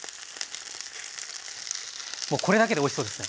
もうこれだけでおいしそうですね。